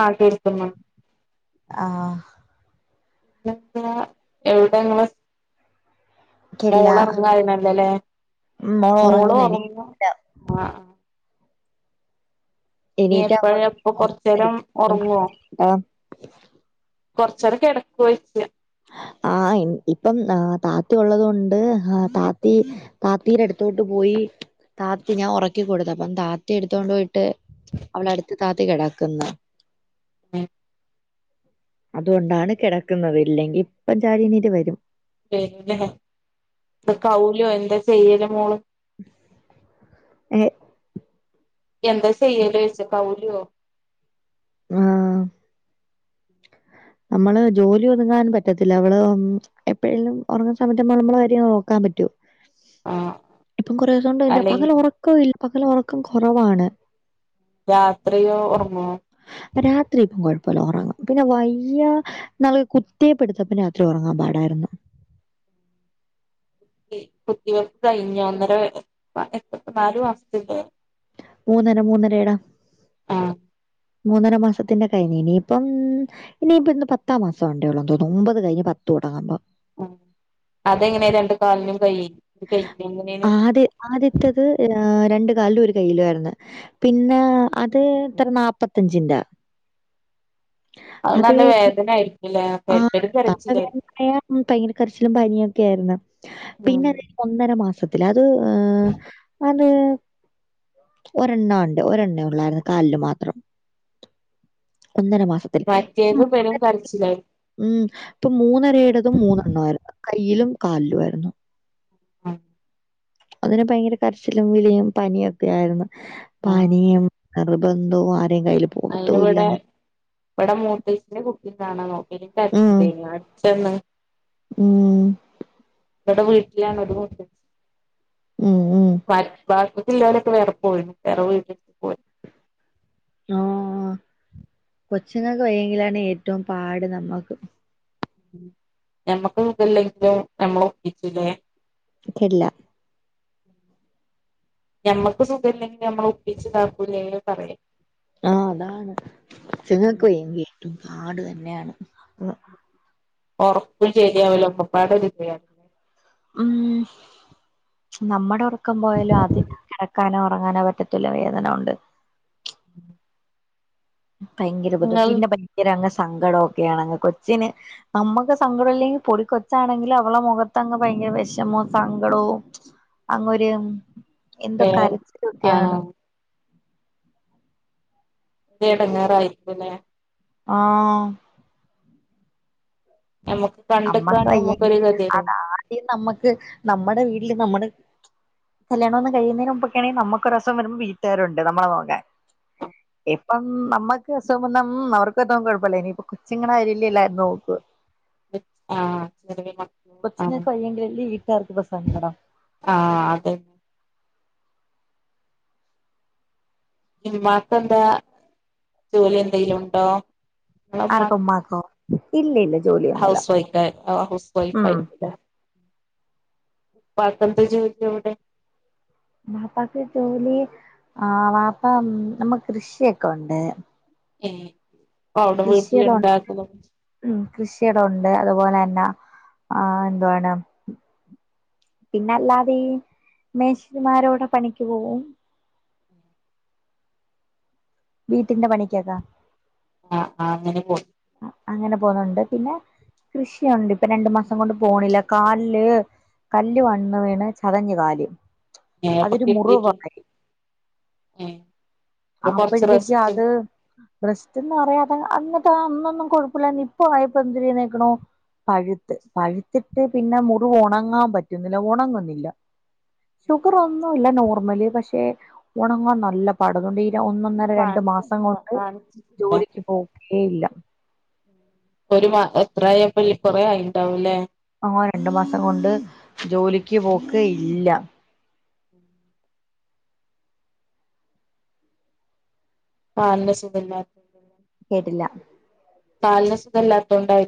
ആഹ് കേൾക്കുന്നുണ്ട് ആഹ് ന്താ എവിടെ ഇങ്ങള് എനിക്കില്ല മോള് ഒറങ്ങു [unintelligible] മോള് ഉറങ്ങുന്നു ഒറങ്ങാ എണീറ്റില്ല ആ ആ ഇനി എണീറ്റാ എപ്പഴാ അങ്ങോട്ട് ഇപ്പൊ കൊറച്ചേരം ഒറങ്ങുവോ കൊറച്ചെരം കെടക്കുവോ ചോയ്ക്കാ ആ ഇൻ ഇപ്പം ആ താത്ത ഉള്ളതൊണ്ട് ആ താത്തി താത്തിയുടെ അടുത്തോട്ട് പോയി താത്തി ഞാൻ ഉറക്കി കൊടുത്ത അപ്പം താത്തി എടുത്തോണ്ട് പോയിട്ട് അവളെ അടുത്ത് താത്തി കെടക്ക്ന്ന് അതുകൊണ്ടാണ് കെടക്കുന്നത് ഇല്ലെങ്കിൽ ഇപ്പം ചാടി എണീറ്റു വരും പിന്നെ എന്താ കൗലുവോ എന്താ ചെയ്യല് മോള് ഏ എന്താ ചെയ്യല് ചോയിച്ചയാ കൗലുവോ? ആ നമ്മള് ജോലി ഒ ങ്ങാനും പറ്റത്തില്ല അവള് എപ്പഴെലും ഒറങ്ങുന്ന സമയത്ത് നമ്മള് നമ്മളെ കാര്യ നോക്കാൻ പറ്റൂ ആഹ് ഇപ്പം കൊറെ ദിവസം കൊണ്ട് അല്ലെങ്കി പകല് ഒറക്കവില്ല പകലൊറക്കം കൊറവാണ് രാത്രിയോ ഓർങ്ങോ? പ്പെല്ല ഒറങ്ങാ പിന്നെ വൈ ഇല്ല നൽ കുത്തിയ പിടുത്തതിന് രാത്രി ഉറങ്ങാൻ പാടായിരുന്നു. കുത്തിവെപ്പ് കഴിഞ്ഞ ഒന്നര വയ എ പ എപ് നാലു മാസ്ത്ത്ത്തെ മൂന്നര മൂന്നര എടാ ആഹ് മൂന്നര മാസത്തിന്റെ കഴിഞ്ഞ്. ഇനിയിപ്പം ഇനിയിപ്പം ഇന്ന് പത്താം മാസം ണ്ടേള്ളുതോന്നു. ഒമ്പത് കഴിഞ്ഞ് പത്ത് തുടങ്ങുമ്പോ. അഹ് അതെങ്ങനെ രണ്ടു കാലിനും കൈ കയ്യിനും എങ്ങനേണ് ആദ്യ ആദ്യത്തത് ഏഹ് രണ്ടു കാലും ഒരു കയ്യിലു ആയിരുന്ന്. പിന്നെ അത് ത്ര നാപ്പത്തഞ്ചിന്റെ അഹ് നല്ല വേദന ആയി ആ [inaudible] ഭയങ്കര കരച്ചിലും പനിയും ഒക്കെ ആയിരുന്നു. ഉം പിന്നെ അതയിഞ് ഒന്നര മാസം അത് ഹ് എ ണ് ഒരെണ്ണ ഉണ്ട് ഒരെണ്ണ ഉള്ളായിരുന്നു കാലില് മാത്രം. മാസത്തിൽ. ഇപ്പം മറ്റേത് പരും കരച്ചിലായി ഉം ഇപ്പൊ മൂന്നരയുടെതും മൂന്നെണ്ണായിരുന്ന് കയ്യിലും കാലിലുവാരുന്നു ആഹ് അതിന് പയങ്കര കരച്ചിലും വിലയും പനിയൊക്കെ ആരുന്നു പാനീയം അർബം എന്തൊവ- അയിനിവിടെ ഇവടെ മോട്ടീസിന്റെ കുപ്പി- കാണളു ഉം. എനിക്കടിച്ചതെയ്നു അടിച്ചേന്ന് ഉം ഇവടെവീട്ടില്ലാണ് അതുകൊണ്ട് ഉം. ഉം. പ ഭാഗത്തില്ലോലോക്കെ വേറെപോയി വേറെ വീട്ടിക്ക് പോയി ആ കൊച്ചുങ്ങക്ക് വയ്യെങ്കിലാണ് ഏറ്റവും പാട് നമ്മക്ക് ഞമ്മക്ക് ഇതല്ലെങ്കിലും നമ്മൾ ഒപ്പിച്ചൂല്ലേ ഇല്ല ഞമ്മക്ക് സുഖില്ലെങ്കിൽ ഞമ്മൾ ഒപ്പിച്ചതാക്കൂലേ പറയാ ആഹാ അതാണ് ഉം ഇത്ങ്ങക്ക് വയ്യെങ്കി ഏറ്റോം- പാട് തന്നെയാണ് ഒറക്കും ശരിയാവില്ല ഒക്കപ്പാടേ ഒരെതിയ- ഉം നമ്മുടെ ഒറ- ക്കംപോയാലും ആദ്യം- ക്കാനോ ഉറങ്ങാനോ പറ്റത്തില്ല വേദനോണ്ട് ഭയങ്കര ബുധ് നിങ്ങൾ പിന്നെ ഭയങ്കരങ്ങ് സങ്കടോം ഒക്കെയാണ് കൊച്ചിന് നമ്മക്ക് സങ്കടം ഇല്ലെങ്കിൽ പൊടി കൊച്ചാണെങ്കിലും അവളെ മുഖത്തങ്ങ് ഭയങ്കര വെഷമോം സങ്കടോം അങ്ങൊര് എന്തൊ ഏഹ് ആഹ് കരച്ചിലൊക്കെയാണ് എടങ്ങേറായിരിക്കൂല്ലെ ആ ഞമ്മക്ക് നമ്മക്ക് കണ്ട്ക്കാണെങ്കി വയ്യെങ്കി ഞമ്മക്കൊരു ഗതിയേട് അതാദ്യം നമ്മക്ക് നമ്മടെ വീട്ടില് നമ്മടെ കല്യാണം ഒന്ന് കഴിയുന്നേന് മുമ്പൊക്കണെൽ നമ്മുക്കൊരു അസുഖം വരുമ്പോ വീട്ടാരുണ്ട് നമ്മളെനോക്കാൻ ഇപ്പം നമ്മക്ക് അസുഖം വന്ന മ് അവർക്ക് കൊഴപ്പില്ല ഇനിയിപ്പ കൊച്ചിങ്ങടെകാര്യല്ലെ എല്ലാരുംനോക്ക ആഹ് ചെറിയ മക്കള് ആഹ് കൊച്ചിങ്ങക്ക് വയ്യങ്കിലല്ലെ വീട്ടാർക്കിപ്പ സങ്കടം ആഹ് അതന്നെ ഇമ്മാ കെന്ത ജോലി എന്തെങ്കിലുണ്ടോ ആർക്കുമ്മാക്കൊ ഇല്ല ല്ല ഹൗസ് വൈഫ് അ ഹൗസ് വൈഫ് ഉം ആയിട്ടിലെ ഫാതെർടെ ജോലി എവ്ടെ വാപ്പാക്ക് ജോലി ആ വാപ്പ ഉം നമ്മ കൃഷിയൊക്കെ ഒണ്ടേ ഏ അ അവിടെ വീട്ടില് ഇണ്ടാക്കുന്നു കൃഷിടം ഒണ്ട് അതുപോലെന്ന ആ എന്തുവാണ് പിന്നല്ലാതെ മേശരിമാരോടെ പണിക്ക് പോവും വീട്ടിന്റെ പണിക്കക്കാ ആ ആ അങ്ങനെ പോയി അങ്ങനെ പോന്നുണ്ട് പിന്നെ കൃഷിയുണ്ട് ഇപ്പൊ രണ്ടു മാസം കൊണ്ട് പോണില്ല കാലില് കല്ല് വന്ന് വീണ് ചതഞ്ഞ് കാല് എ അപ്പ അതൊരു കെട്ടിട്ടുണ്ടോ മുറിവായി എ അപ്പഴത്തേക്കു അത് റെസ്റ്റ്ന്ന് പറയാതെ അങ്ങത്തെ അന്നൊന്നും കൊഴപ്പല്ലഞ്ഞ് ഇപ്പൊ ആയപ്പോ എന്തിര്ന്ന് കേക്കണോ പഴ്ത്ത് പഴ്ത്തിട്ട് പിന്നെ മുറിവ് ഒണങ്ങാൻ പറ്റുന്നില്ല ഒണങ്ങുന്നില്ല ഷുഗർ ഒന്നു ല്ല നോർമല് പക്ഷെ ഒണങ്ങാൻ നല്ല പാടതുകൊണ്ട് ഈ ഒന്നൊന്നര രണ്ടു മാസം കാണിച്ചിട്ടില്ല കൊണ്ട് കാണിച്ചിട്ടില്ല ജോലിക്ക് പോകേയില്ല ഒരു മാ എത്രായിപ്പം കൊറേ ആയിണ്ടാവൂല്ലേ ആ രണ്ടു മാസം കൊണ്ട് ജോലിക്ക് പോക്ക് ഇ ഇല്ല ആ എന്താ സുഖല്ല കേട്ടില്ല കാലിന് സുഖല്ലാത്തോണ്ടായി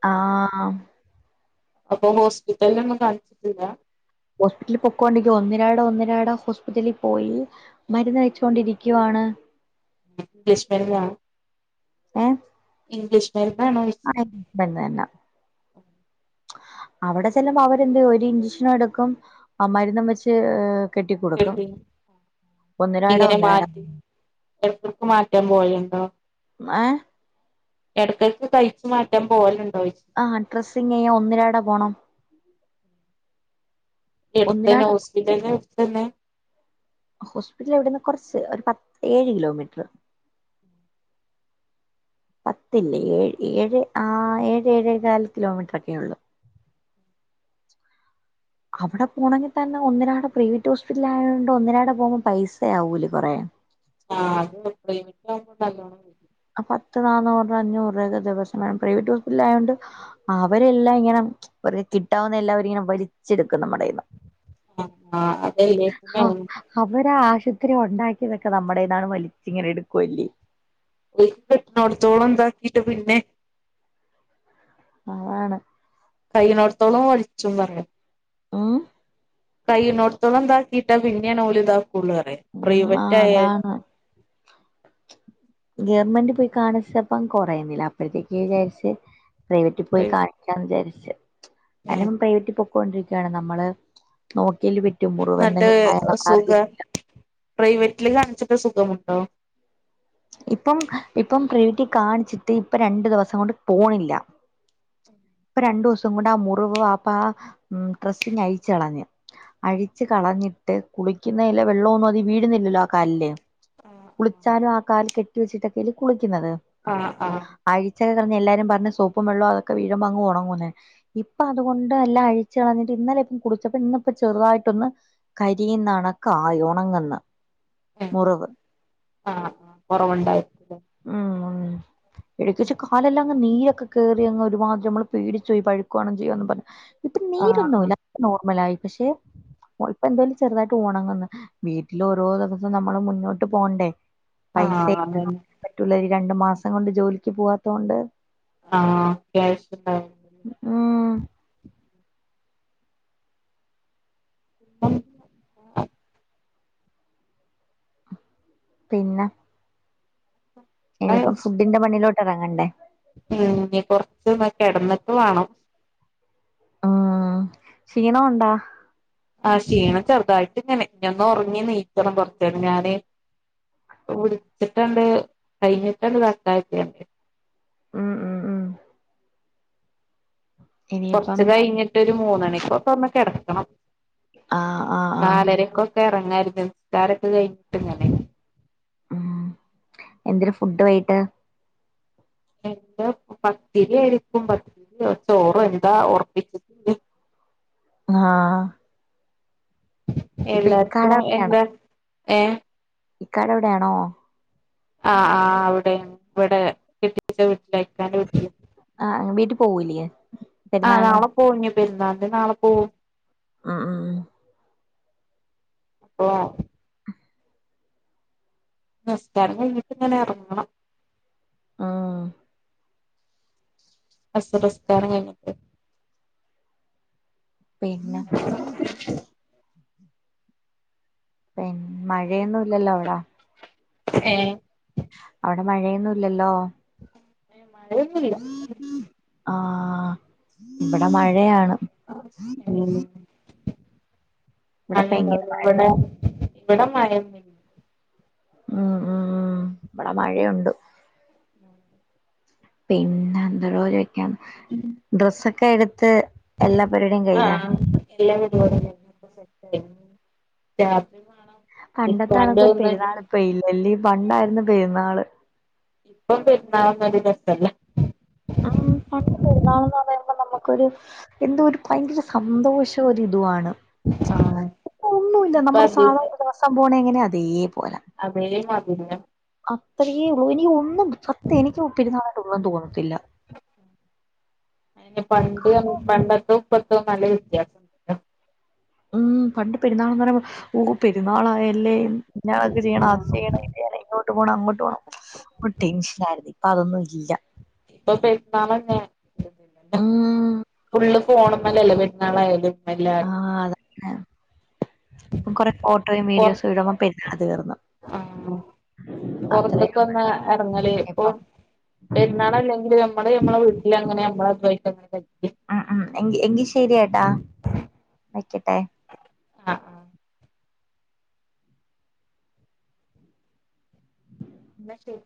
ആ അപ്പൊ ഹോസ്പിറ്റലിലൊന്നും കാണിച്ചിട്ടില്ല ഹോസ്പിറ്റലിൽ പൊക്കോണ്ടിരിക്കാ ഒന്നിരാടം ഒന്നിരാടം ഹോസ്പിറ്റലിൽ പോയി മരുന്ന് കഴിച്ചോണ്ടിരിക്കുവാണ് ഇംഗ്ലീഷ് മെര്ന്നോ ഇംഗ്ലീഷ് മരുന്നാണോ ചോയ്ച്ച് [unintelligible] തന്ന തന്ന അവിടെ ചെല്ലുമ്പം അവരെന്ത് ഒരു ഇൻജെക്ഷനും എടുക്കും ആ മരുന്നും വെച്ച് കെട്ടി കൊടുക്കും [unintelligible] ഒന്നിരാട ഇങ്ങനെ ഒന്നിരാട മാറ്റി [unintelligible] എട്ക്കട്ക്ക് മാറ്റാൻ പോയയുണ്ടോ ഏ എടയ്ക്കെടയ്ക്ക് തയ്ച്ച് മാറ്റാൻ പോലുണ്ട് ആ ഡ്രെസ്സിങ് ഒന്നിരാട പോണം എടുത്തന്നെ ഒന്നിരാട ഹോസ്പിറ്റല് എടുത്തന്നെ ഹോസ്പിറ്റൽ ഇവിടുന്ന് കൊറച്ച് ഒരു പത്ത് ഏഴ് കിലോമീറ്റർ പത്തില്ലേ ഏഴ് ഏഴ് ആ ഏഴ ഏഴേകല് കിലോമീറ്റർ ഒക്കെ ഉള്ളു അവിടെ പോണമെങ്കിൽ തന്നെ ഒന്നിനാടെ പ്രൈവറ്റ് ഹോസ്പിറ്റൽ ആയോണ്ട് ഒന്നിനാടെ പോകുമ്പോ പൈസ ആവൂല കൊറേ ആ അത് പ്രൈവറ്റിൽ ആവുമ്പം നല്ലോണം വരും പത്ത് നാന്നൂറ അഞ്ഞൂറൂപ ദിവസം പ്രൈവറ്റ് ഹോസ്പിറ്റലായൊണ്ട് അവരെല്ലാം ഇങ്ങനെ [inaudible] കിട്ടാവുന്ന എല്ലാവരിങ്ങനെ വലിച്ചെടുക്കും നമ്മടേന്ന് ആഹ് ആഹ് അതലേ [unintelligible] ഒത്തിരി ഒണ്ടാക്കിയതൊക്കെ നമ്മടയീന്നാണ് വലിച്ചിങ്ങനെ എടുക്കുവല്ലേ [unintelligible] കിട്ടിണോട് ത്തോളം തി ക്കീട്ട് പിന്നെ അതാണ് കഴിയുനോടത്തോളം വഴിച്ചും പറയാ ഊം കഴിയുന്നോടത്തോളം ഇതാക്കിയിട്ട് പിന്നേണ് ഓല് തി സ്കൂള്ല് വേറെ ഉം ആഹ് പ്രൈവറ്റായ അതാണ് ഗവൺമെൻറ്റി പോയി കാണിച്ചപ്പ കൊറയുന്നില്ല അപ്പഴത്തേക്ക് വിചാരിച്ച് പ്രൈവറ്റിൽ പോയി ഏഹ് കാണിക്കാന്ന് വിചാരിച്ച് അതിന് പ്രൈവറ്റ് പൊ ണ്ടിരിക്കയാണ് നമ്മള് നോക്കിലു വിട്ട് റ്റു മുറിവെന്ന് എന്നിട്ട് സുഖ [unintelligible] പ്രൈവറ്റില് കാണിച്ചിട്ട് സുഖമുണ്ടോ ഇപ്പം ഇപ്പം പ്രൈവറ്റില് കാണിച്ചിട്ട് ഇപ്പൊ രണ്ടു ദിവസം കൊണ്ട് പോണില്ല ഇപ്പൊ രണ്ടൂസം കൊണ്ട് ആ മുറിവ് ആപ്പ ആ ഉം ഡ്രസ്സിങ് അഴിച്ച് കളഞ്ഞ് അഴിച്ച് കളഞ്ഞിട്ട് കുളിക്കുന്നലെ വെള്ളവും ഒന്നും അതിൽ വീഴുന്നില്ലല്ലോ ആ കാലില് ആഹ് കുളിച്ചാലും ആ കാല്കെട്ടി വെച്ചിട്ടല്ലെ കുള് ന്നത് ആഹ് ആഹ് ആയി [unintelligible] ചെലര് റഞ്ഞ് എല്ലാരും പറഞ്ഞ് സോപ്പും വെള്ളവും അതക്കെ വീഴും അങ്ങ് ഉണങ്ങുന്ന് ഇപ്പൊ അതുകൊണ്ട് എല്ലാം അഴിച്ചു കളഞ്ഞിട്ട് ഇന്നലെ ഇപ്പം കുളിച്ചപ്പ ഇന്നിപ്പോ ചെറുതായിട്ടൊന്ന് കരിയുന്നണക്കായി ഉണങ്ങുന്ന് മുറിവ് കൊറവുണ്ടായി ഉം ഉം എഴുക്കിച്ച കാലെല്ലാം അങ്ങ് നീരൊക്കെ കേറി അങ്ങ് ഒരുപാട് നമ്മൾ പേടിച്ചു പോയി പഴുക്കുകയാണെങ്കി എന്നും പറഞ്ഞ് ഇപ്പൊ ആഹ് നീരൊന്നുല്ല നോർമലായി പക്ഷെ ഇപ്പ എന്തന്ന് വെച്ച ചെറുതായിട്ട് ഉണങ്ങുന്ന് വീട്ടിൽ ഓരോ ദിവസം നമ്മള് മുന്നോട്ട് പോണ്ടേ ആഹ് പൈസെ ആഹ് അതന്നെ [inaudible] പറ്റുലനീ രണ്ടു മാസം കൊണ്ട് ജോലിക്ക് പോവാത്തോണ്ട് ഒക്കെ [unintelligible] ഉം ഉം പിന്ന ഇനിയിപ്പം ഫുഡ്ഡിന്റെ പണിലോ ഇറങ്ങണ്ടേ ഇനിപ്പോ കൊറച്ചന്ന് കിടന്നിട്ട് വേണം ആ ക്ഷീണം ഉണ്ടാ ആ ക്ഷീണം ചെറുതായിട്ട് ഇങ്ങനെ ഇനി ഒന്ന് ഉറങ്ങി ഒന്ന് എഴുനേൽക്കണം കൊറച്ചനേരം ഞാന് വിളിച്ചിട്ടണ്ട് കഴിഞ്ഞിട്ടണ് [unintelligible] ഉം ഉം ഉം ഇനിയിപ്പം കൊറച്ചു കഴിഞ്ഞിട്ട് ഒരു മൂന്നുമണിക്കൊക്കെ ഒന്ന് കെടക്ക [inaudible] ആ ആ ആ എറങ്ങാരുന്നു നിസ്കാരൊക്കെ കഴിഞ്ഞിട്ട് ഇങ്ങനെ ഉം എന്തേര് ഫുഡ്‌ വൈട്ട്? [unintelligible] പത്തിരി ആയിരിക്കും പത്തിരിയോ ചോറോഎന്താ ഉറപ്പിച്ചിട്ട് ആ എല്ലാർക്കും എന്താ? ഏ? ഇക്കാടെവിടയാണോ? ആ ആ അവിടെ ഇവിടെ കെട്ടിച്ച വീട്ടില് ഇക്കാന്റെ വീട്ടിൽ. അ വീട്ടി പോവൂലേ? ആ പെരുന്നാളിന് നാളെ പോകും പെരുന്നാളിന് നാളെ പോവും. ആ ആ ഓ നിസ്കാരം കഴിഞ്ഞിട്ട് ഇങ്ങനെ എറങ്ങണം ആ അസർ നിസ്കാരം കഴിഞ്ഞിട്ട് പിന്നെ പിന്നെ മഴയൊന്നും ഇല്ലല്ലോ അവിടാ ഏ അവിടെ മഴയൊന്നുംല്ലല്ലോ ഉ [inaudible] മഴ ഒന്നുല്ല ആ ഇവിടെ മഴയാണ് [unintelligible] ഇവിടെ [unintelligible] ഭയങ്കര മഴ ഇവിടെ ഇവിടെ മഴ ഉം ഉം ഇവിടെ മഴയുണ്ട് പിന്നെ എന്ത ഡ്രസ്സൊക്കെ കെട് ത്ത് എല്ലാ പരുവാടിം കഴിഞ്ഞാ ആ എല്ലാ പരിപാടി കഴിഞ്ഞു [inaudible] പണ്ടത്താണൊക്കെ ഇക്കാന്റെ ഒരു ഒന്ന് പെരുന്നാൾ ഇപ്പ ഇല്ലല് പണ്ടായിരുന്നു പെരുന്നാള്. ഇപ്പം പെരുന്നാളന്നും ഒരു രസല്ല ആ പണ്ട് പെരുന്നാളന്ന് പറയുമ്പോ നമുക്കൊരു എന്തൊരു- ഭയങ്കര സന്തോഷം ഒരിതാ ണ്‌ ഇപ്പ ഒന്നുമില്ല ഇപ്പ നമ്മുടെ സാധാരണ ദിവസം പോണ എങ്ങനെ അതെ അതെ പിന്നെ അത്രയേ ഉള്ളൂ എനി ഒന്നും സത്യം എനിക്ക് പെരുന്നാളായിട്ടു ഒന്നും തോന്നത്തില്ല. പണ്ട് പണ്ടത്തും ഇപ്പതോം നല്ല വ്യത്യാസം ഉണ്ടല്ലോ ഉം പണ്ട് പെരുന്നാളന്നരം ഊ പെരു ന്നാളായല്ലേ ഇഞ് അതു ചെയ്യണം അത് ചെയ്യ ഇങ്ങോട്ട് പോണം അങ്ങോട്ട് പോണം ടെൻഷൻ ആയിരുന്നു പ്പം അധോന്നും ല്ല ഇപ്പൊ പെുന്നാള [unintelligible] ഉം ഫുള്ള് ഫോണമ്മിലവെ ന്നാളായാലും ആ അതന്നെ ഇപ്പം കൊറെ പൊർ വിഡിയോസും ഇടുമ്പോ പെരുന്നാൾ തീർന്നു അത്രേ പുറത്തൊക്കെ വന്ന് ഇറങ്ങല് ഇപ്പൊ ഇപ്പം പെരുന്നാള അല്ലെങ്കിൽ നമ്മള് മ്മടെ വീട്ടിൽ അങ്ങനെമ്മള [unintelligible] മ് മ് എങ്കി എങ്കി ശെരി ആ ഡാ വെയ്ക്കട്ടെ. ആ [unintelligible] എന്ന ശരി